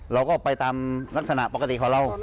เราก็ไปตามลักษณะปกติของเรา